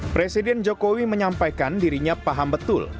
presiden jokowi menyampaikan dirinya paham betul